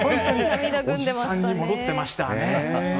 叔父さんに戻ってましたね。